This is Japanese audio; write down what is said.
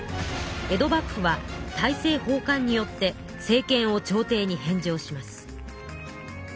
江戸幕府は大政奉還によって政権を朝廷に返上します。